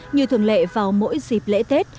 như thường lệ vào mỗi dịp lễ tết